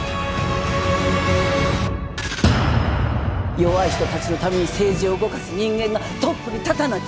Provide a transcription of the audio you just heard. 弱い人たちのために政治を動かす人間がトップに立たなきゃ。